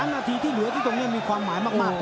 นาทีที่เหลือที่ตรงนี้มีความหมายมากเลย